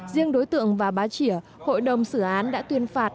riêng đối tượng và bá chìa hội đồng xử án đã tuyên phạt